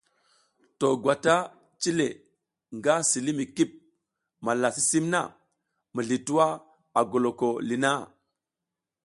To gwata cile nga si li mi kip malla sisim na mizli twua a goloko li na.